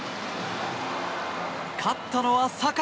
勝ったのは坂井。